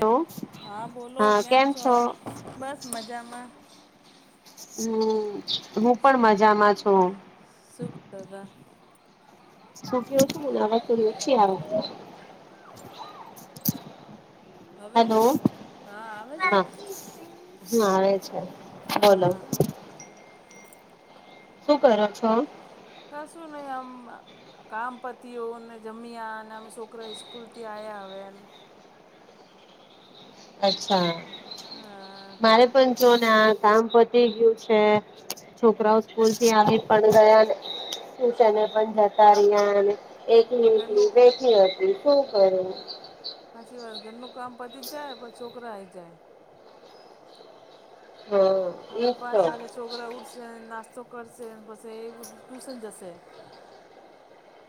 Hello હા બોલો કેમ છો બસ મજામાં હમ હું પણ મજામાં છું [unintelligible] શું કેવ મને વહેંચી [unintelligible] હવે હા આવે છે નારે બોલો હા શું કરો છો ક શું નહી આમ કામપતિઓને જમ્યા અને અમે છોકરા સ્કૂલ થી આવ્યા હવે અચ્છા હા મારે પણ સોના કામ પતિ ગયું છે છોકરાઓ સ્કૂલ થી આવી પણ ગયાનેને પણ જતા રહ્યા ને એકલીટ ઘરનું બેઠી હતી ખૂબ ભરો સાચી વાત ઘરનું કામ પતી જ જાય પણ છોકરા આઈ જાય હા હવે એજ તો પાંચ વાગે છોકરા ઉઠસે નાસ્તા નાસ્તો કરશે પછી એધ ટુશન જશે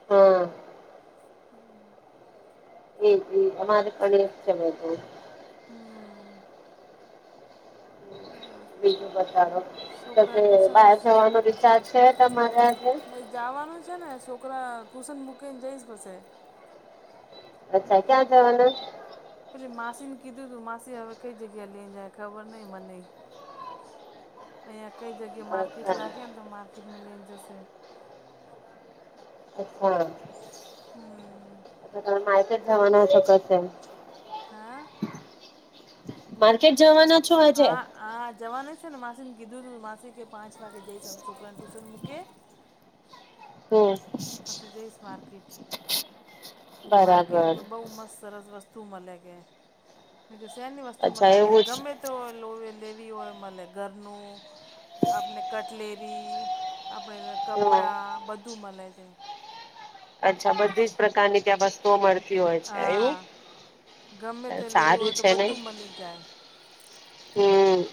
હમ્મ. [inaudible] એ જ એજ અમારે પણ એજ છે બધું. હમ્મ. બીજું બતાવો તો કે છોકરાને ટ્યુશન બહાર જવાનો વિચાર છે તમારે આજે. ટૂસન મુકેન જઈશ પસે. અચ્છા ક્યાં જવાના. એટલે માસી ને કીધું તું માસી હવે કઈ જગ્યા લઈ જાય ખબર નઈ મને અયાક. કઈ જગ્યા માર્કેટ અચ્છા લાગેને તો માર્કેટમાં લઈ જાય હશે. અ [unintelligible] હમ [unintelligible] માં ઈથકે. જવાના ચોક્સ છે. હા. માર્કેટ જવાના. છો આજે હા હા જવાની છે ને માસીને કીધું તું માસી કે પાંચ વાગે જઈસ હવે છોકરાને ટુશન મૂકેએ હમ્મ. પછી જઈશ માર્કેટ કે માર્કેટ બરાબર બઉ મસ્ત સરસ વસ્તુ તું મલે કે. મેં કી સેની વસ્તુ અચ્છા મલે કે એવું જ ગમે તે હોય [unintelligible] લેવી હોય એ મલે ઘરનું આપને કટલેરી આપડે હમ કપડાં બધું મલે. અચ્છા બધી જ પ્રકારની ત્યાં વસ્તુઓ મળે હા ગમે તે લેવું હોય તો બધું મલી જાય. હમ્મ.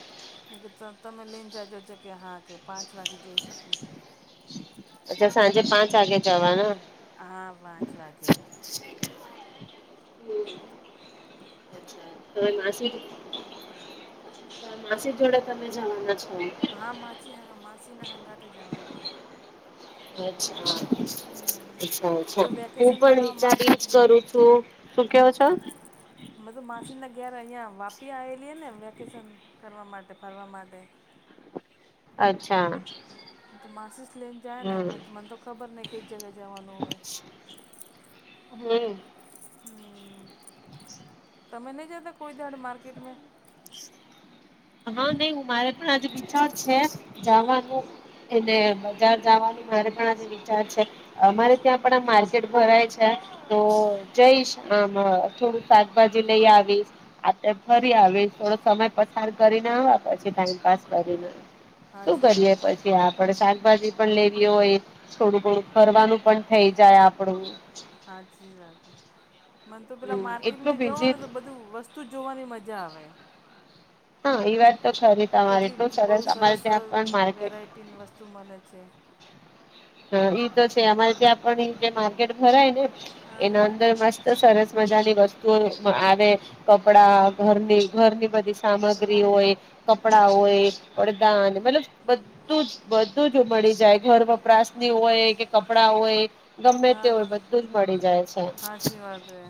તમે લઈન જાજો જ કે હા કે પાંચ વાગે જઈ શકો. જે પાંચ આગે જવાનો હા પાંચ વાગે. [unintelligible] માસી જોડે તમે જવાના છો? હા માછી હાર માસી ના હંગાતે જવા ની. હમ અચ્છા એ અરછા તો હું વેકેશન પણ બનાવો મા વિચારી જ કરું છું. શું ક્યો છો? બધુ માસીનના ઘેરે અહિયાં વાપી આવેલી ને વેકેશન કરવા માટે ફરવા માટે. અચ્છા. તો માસી લઈને જાય ને હમ મને તો ખબર નહ કઈ જગ્યા જવાનું હવે. હમ્મ. હમ [inaudible] તમે નહી જાતા કોઈ દાડ માર્કેટ મે? હા નઈ હું મારે પણ આજુ પીછા જ છે હા જવાનું. એને બજાર જવાની મારે પણ આજે વિચાર છે અમારે ત્યાં પણ આ માર્કેટ ભરાય છે તો જઈશ અ મ થોડું શાકભાજી લઈ આવીશ આપડે ફરી આવી. થોડો સમય પસાર કરીને હ પછી ટાઈમ પાસ કરીને. શું સાચી વાત કરીએે છે પછી આપડે શાકભાજી પણ લેવી હોય, થોડું થોડું ફરવાનું પણ થઈ જાય આપડું. હાચી વાત. મને તો પેલા હમ એટલું માર્કેટમાં જવ બીજી ને તો બધું વસ્તુ જોવાની મજા આવે. રહી વાત તો ખરી તમારે કેટલી એટલું બઉ અમારે સરસ ત્યાં સરસ પણ માર્કેટ વેરાયટીની વસ્તુ મળે છે. ઈ તો છે અમારે ત્યાં પણ જે માર્કેટ ભરાય ને એનો હા અંદર મસ્ત સરસ મજાની વ વતુ આવે, કપડા ઘરની ઘરની બધી સામગ્રી હોય કપડા હોય, વડદાન મતલબ બધું જ બધું જ મળી જાય ઘર વપરાશ હોય કે કપડા હોય ગમે તેવય બધું જ મળી જાય છે. હાચી વાત હે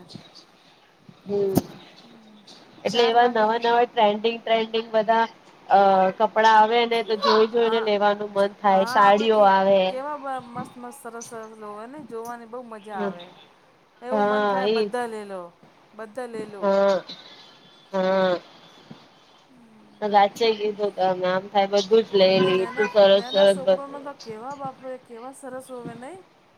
હમ્મ. એટલે ચાર એવા વાગે નવા નવા ટ્રેન્ડિંગ ટન્ડિંગ બધા અ કપડા આવે ને તો જોઈ હા જોઈને હા લેવાનું મન થાય સાડીઓ આવે ખબ મસ્ત મસ્ત સરસ સરસ લો હોય ને જોવાની બહુ મજા આવે એવું મન હા થાય એજ બધા લ લો. બધા લઈ લો હા હા. [inaudible] હ આચેાગબો તો મેમ નાના નાના છોકરો ન તો બધું કેવા બાપરે કેવા સરસ હોવે નહીં [inaudible]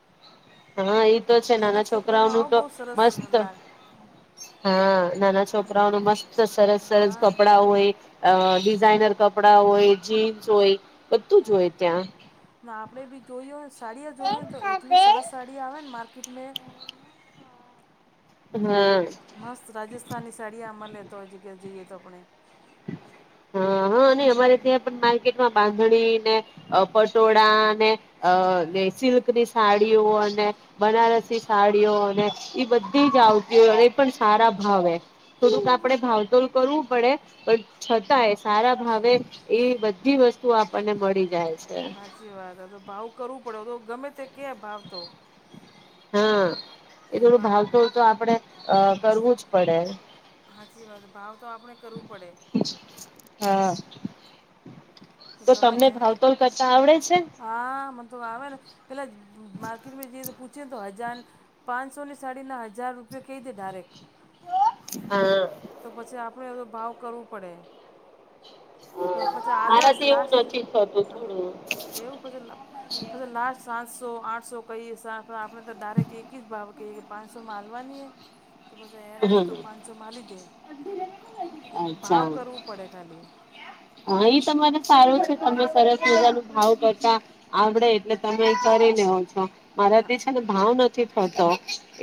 હા એ તો છે નાના છોકરાનો છોકરાઓનું આવો તો બહુ સરસ મસ્ત લાગે હા હા નાના છોકરાઓનું મસ્ત સરસ સરસ કપડા હા હોય ડિઝાઇનર કપડા હોય. જીન્સ હોય. બધું જ હા હોય ત્યાં ના આપડે બી જોયયો સાડી જોઈએ ને તો એટલી સરસ હા સાડી આવે ને મા કટમે મસ્ત રાજસ્થાની સાડીયા મળે તો જ કે જઈએ તો આપણે હા હા નહી અમારે ત્યાં પણ માર્કેટ બાંધણીને પટોળા અને અને સિલ્ક ની સાડીઓ અને બનારસ સાડીઓ અને ઈ બધી જ આવતી હો એ પણ સારા ભાવે થોડું તો આપડે હા ભાવતોલ કરવું પડે પણ છતાં એ સારા ભાવે એ બધી વસ્તુ આપણને મળી જાય છે સાચી વાત હ તો ભાવ કરવું પડે તો ગમે તે કે અભાવ તો હમ એ થોડું ભા ભાવ તો તો આપડે અ કરવું જ પડે સાાચી વાત ભાવ તો આપણે કરવું પડે હા તો ગમે તમને ભાવતોલ કરતા આવડે છે ત્યા હા મને તો આવે ને પેલા માર્કેટમાં જઈએ તો પૂછે ને તો હ જાન પાંચસોની સાડીના હજાર રૂપિયા કહી દે ડારેક હા તો પછી આપણે એ ભાવ કરવું પડે હહ પછી આલસ મારાથી એવું લાસ્ટ નથી થતું થોડું એવું પછી પછી લાસ્ટ સાતસો, આઠસો કહીએ સા આપણે આપણે તો ડાયરેક્ટ એકી જ ભાવ કે પાંચસો માં આલવાની હે તો પસી એર હમ ખાતો પાંચસોમાં આલી દે અચ્છા ભાવ કરવું પડે ખાલી હા એ તમારે સારું છે તમે સરસ મજાનું ભાવ કરતા આવડે એટલે તમે એ કરી લેવ છો. હા મારાથી છે ને ભાવ નથ થી થતો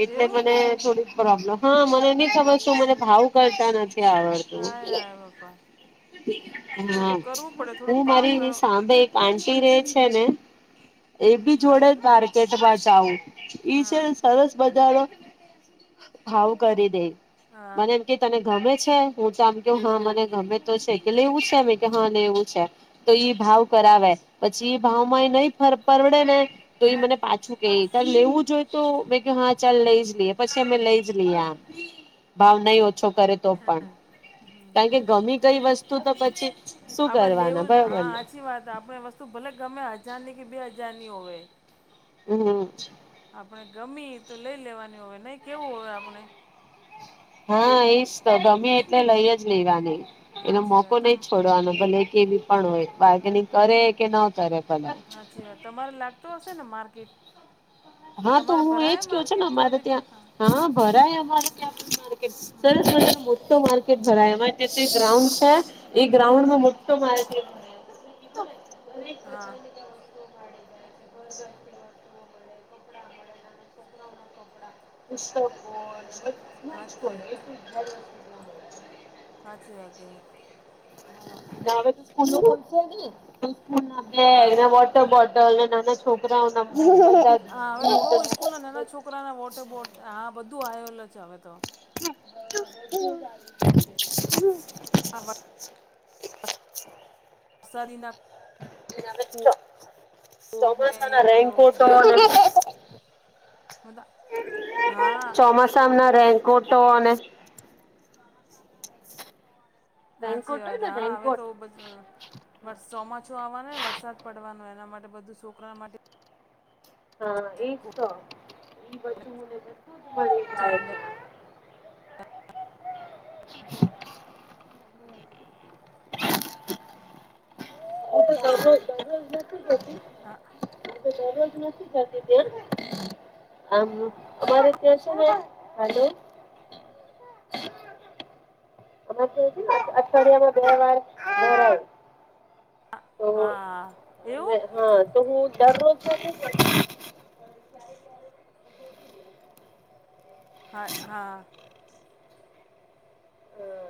એટલે એવું મને થોડીક પ્રોબ્લમ હા મને ની ખબર શું મને ભાવ કરતા નથ નથી આવડતું. હાય હાય બાપા તો હા તો કરવું પડે થોડો હું ભાવ મારી કરો સામે એક આંટી રે છે ને એ બી હા જોડે જ માર્કેટ બાજુ [inaudible] ઈ છે હા ને સરસ બજારો હાવુ કરી દે હા મને એમ કે તને ગમે છે. હું ત આમ કેઉં હહ મને ગમે તો છે. ઈ કે લેવું છે મેં કે હા કે લેવું છે, તો ઈ ભાવ કરાવે પછી, ભાવમાં એ નહી ફર પરવડેને તો ઈ હા મને પાછું કે તન લેવું જ હોય તો મેં કહ્યું હા ચલ લઈ જ લીએ. પછી મેં લઈ જ લીયા. ભાવ નહીં હોત ઓછો કરે તો પણ, કારણ કે ગમી ગઈ વસ્ આપણે લેવું બરોબર હા ને હાચી વાત હે આપણે વસ્તુ ભલે ગમે હજારની કે બે હજ જારની હોવે હમ આપણે ગમી તો લઈ લેવાની હોય, નહીં કેવું હોય આપણે હા એજ તો ગમે એટલે લઈ જ લેવાની. એનો હાચી મોકો વાત તમ નહી છોડવાનો, ભલે કેવી પણ હોય બાર્ગેનિંગ કરે કે ન કરે ભલે હાચી વાત તમારે લાગતો હશે ને માર્કેટ? હા. તો તમારે હું એજ ભરાયા કહુ છે ને, માર્કેટ તો આ મારે ત્યાં જગ્યા હા ભરાય [unintelligible] હા [unintelligible] તો માર્કેટ ભરાય અમાંર ત્યા ગ્રાઉન્ડ છે. એ હા ગ્રાઉન્ડ હા માં મોટો માર્કેટ [inaudible] હા [unintelligible] [inaudible] [unintelligible] હા ના. [unintelligible] [unintelligible] સાાચી વાત હ. [unintelligible] હ હા બેગ વોટર બોટલ નાના છોકરાઓ હા હવે તો બહુ સ્કૂલ ના નાના છોકરા ના વોટર બોટલ આ બધું તું આયોલો છ આવે તો [unintelligible] આવા સાદી ના કોટ ને ચોમાસા ના પેલો રેન્કોટ રેન્ક ને હા ચોમાસા ના હા રેન્કોટો અને સાચી રેનકોટ હોય વાત ને હા હવે રેનકોટ તો ચોમાસું આવવાનું વરસાદ પડવાનું હે માટે બધું છોકરા માટે હા એજ તો એ બધુંને ખૂબ મજા [unintelligible] દરોજ દરોજ નથી કેતી [unintelligible] એતો દરોજનું [unintelligible] [inaudible] અ છે ને અઠવાડિયામાં બે વાર તો હા એવું હા તો હું દરરોજ [inaudible] હા હા હમ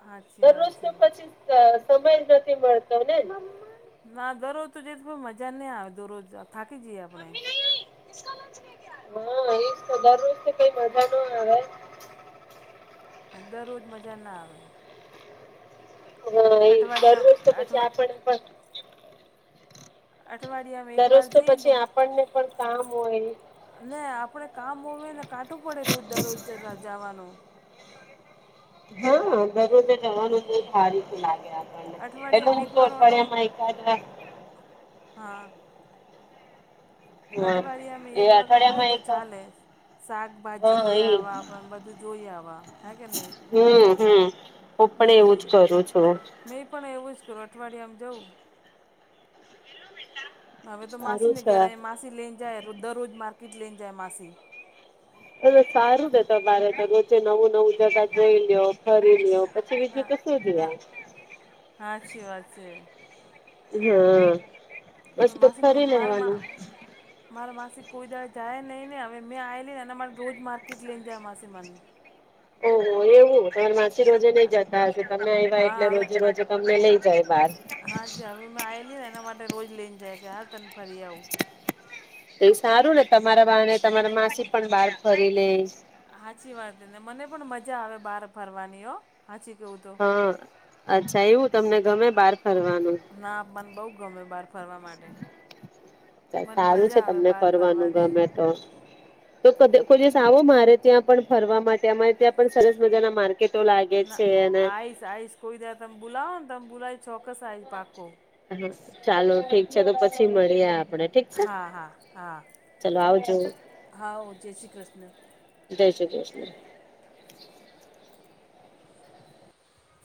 સાચી દરરોજ વાત તો છે પછી સમય જ નથી મળતો ને ના દરરોજ તો જઈ તો મજા નહીં આવે દરરોજ થાકી જઈએ આપણેે હા એ તો જરૂજ છે કઈ મજા ન આવે દરરોજ મજા ના આવે હા એ દરરોજ તો અઠવાડિયા પછી અઠવા આપણે પણ અઠવાડિયામાં દરરોજ એકવાર તો જઈએ ને પછી આપણને પણ કામ હોય ને આપણે કામ હોવે કાટું પડે રોજદર રોજ જતા જાવાનો હા દરરોજે જવાનું બહ ભારી તો લાગે આ એેલ હું અઠવાડિયામાં તો એકવાર ઓટો અઠવાડિયામાં એકાદ અઠવાડિયા મે એ એક વખત હોય ને અઠવાડિયામાં તો એક હા ચાલે શાકભાજી લે એ વાવા પણ બધું જોયાવા હે કે નહી હમ હમ હું પણ એવું જ હમ કરું છું મે પણ એવું જ કરો અઠવાડિયામાં જાઉં હવે તો માસી સારું ને છે ઘેરાય માસી લઈને જાય દરરોજ માર કટલે જાઈ માસી હ સારું જ તો બારે તો રોચે નવું નવું જગા જોઈલો ફરી લ્યો પછી બીજું તો શું હ જોયા હાછી વાત છે હમ [unintelligible] માસી મારે માં મારા માસી કોઈ દાળે જાય નહી હવે મેં આએલી ને એના માટ રોજ માર્કેટ લઈન જય માસી મન ઓહ એવું [unintelligible] પીછી રોજે નઈ જતા હશે તમે એવા હા એટલે હવે રોજે રોજે તમને લઈ જાય બાર હા જ હવે મેં આવેલી ને એના માટે રોજ લઈને જાય કે હાલ તન ફરી આવુ એ સારું ને તમારા બાહને તમારા માસી પણ બહાર ફરી લે હાચી વાત ને મને પણ મજા આવે બહાર ફરવાની ઓ હા અચ્છા એવું તમને ગમે બહાર ફરવાનું ના મને બહુ ગમે બહાર ફરવા માટે મને સારું છે મજા આવે તમને બહાર ફરવાનું ફરવાની ગમે તો તો કદ કોઈ દિવસ આવો મારે ત્યાં પણ ફરવા માટે અમારે ત્યાં પણ સરસ મજાના માર્કેટ ના આઈસ આઈસ કોઈ દાળ તમ બોલાવો ને તમ બોલાવી ચોકસ આવી પાકો હા ચાલો ઠીક છે તો પછી મળીએ આપ હા હા હા ચલો આવજો હાઓ જય શ્રી કૃષ્ણ [unintelligible]